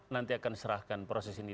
nanti akan serahkan proses ini